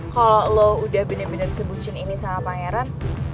kalo lo udah bener bener sebutin ini sama pangeran